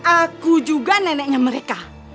aku juga neneknya mereka